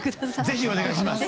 是非お願いします。